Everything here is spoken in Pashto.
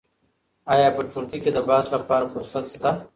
آیا په ټولګي کې د بحث لپاره فرصت شته؟